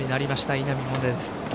稲見萌寧です。